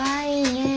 ねえ！